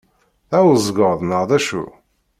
Teɛɛuẓgeḍ neɣ d acu?